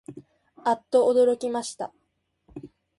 あっとおどろきました